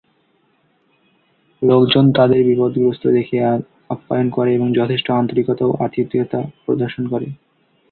লোকজন তাদের বিপদগ্রস্ত দেখে আপ্যায়ন করে এবং যথেষ্ট আন্তরিকতা ও আতিথেয়তা প্রদর্শন করে।